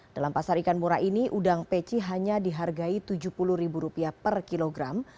dalam pasar ikan murah ini udang peci hanya dihargai rp tujuh puluh per kilogram